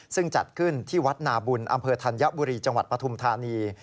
ซึ่งจัดขึ้นที่วัดนาบุญอำเภอธัญบุรีจังหวัดปฐุมธานี